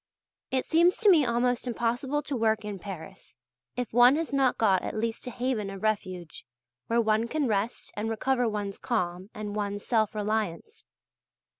It seems to me almost impossible to work in Paris, if one has not got at least a haven of refuge, where one can rest and recover one's calm and one's self reliance.